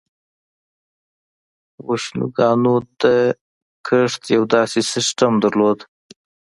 بوشنګانو د کښت یو داسې سیستم درلود.